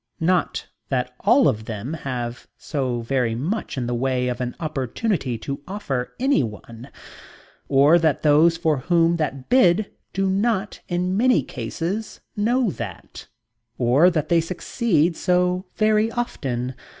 Not that all of them have so very much in the way of an opportunity to offer to anyone. Or, that those for whom that bid do not, in many cases, know that. Or, that they succeed so very often.